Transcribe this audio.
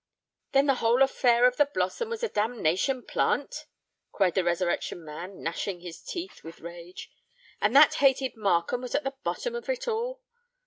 "Then the whole affair of the Blossom was a damnation plant?" cried the Resurrection Man, gnashing his teeth with rage. "And that hated Markham was at the bottom of it all?